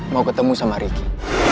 mau ketemu sama ricky